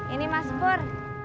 ini mas pur